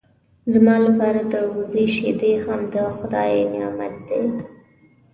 زما لپاره د وزې شیدې هم د خدای نعمت دی.